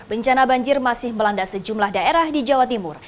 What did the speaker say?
bencana banjir masih melanda sejumlah daerah di jawa timur